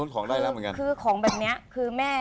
คือของแบบนี้คือแม่